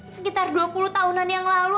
sekitar dua puluh tahunan yang lalu